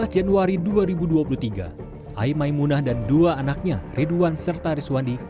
dua belas januari dua ribu dua puluh tiga aimaimunah dan dua anaknya ridwan serta riswandi